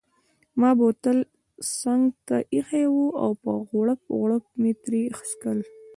ما بوتل څنګته ایښی وو او په غوړپ غوړپ مې ترې څیښل.